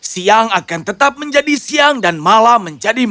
siang akan tetap menjadi siang dan malam menjadi malam